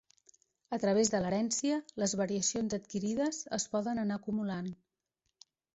A través de l'herència, les variacions adquirides es poden anar acumulant.